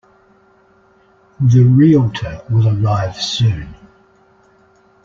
The Realtor will arrive soon.